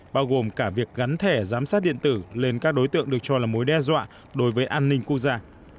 bao gồm cả việc gắn thẻ giám sát điện tử lên các đối tượng được cho là mối đe dọa đối với an ninh quốc gia